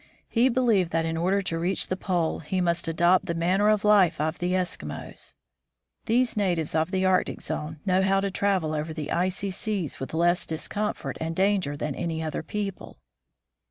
He believed that in order to reach the Pole he must adopt the manner of life of the Eskimos. These natives of the Arctic zone know how to travel over the icy seas with less discomfort and danger than any other people.